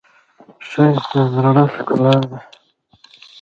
ښایست د زړه ښکلا ده